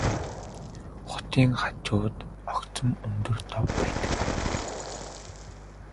Хотын хажууд огцом өндөр дов байдаг.